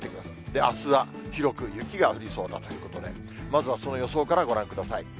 あすは広く雪が降りそうだということで、まずはその予想からご覧ください。